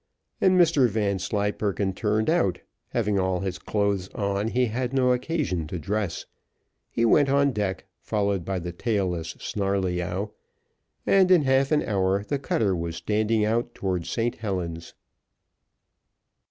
And Mr Vanslyperken turned out; having all his clothes on, he had no occasion to dress. He went on deck, followed by the tail less Snarleyyow, and in half an hour the cutter was standing out towards St Helen's.